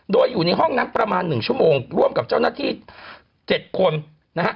โดยอยู่ในห้องนั้นประมาณ๑ชั่วโมงร่วมกับเจ้าหน้าที่๗คนนะฮะ